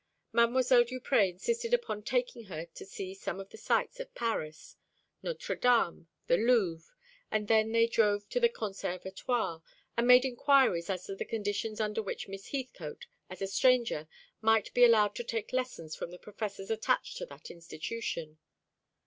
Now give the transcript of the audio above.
Mdlle. Duprez insisted upon taking her to see some of the sights of Paris Notre Dame, the Louvre and then they drove to the Conservatoire, and made inquiries as to the conditions under which Miss Heathcote, as a stranger, might be allowed to take lessons from the professors attached to that institution.